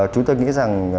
chúng tôi nghĩ rằng